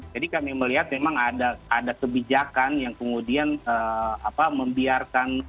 jadi kami melihat memang ada kebijakan yang kemudian membiarkan